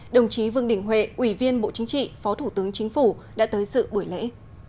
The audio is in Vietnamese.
đồng chí vương đình huệ ủy viên bộ chính trị phó thủ tướng chính phủ đã tới sự buổi lễ